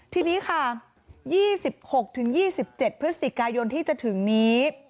ทีนี้ค่ะ๒๖๒๗พฤศจิกายนที่จะถึงนี้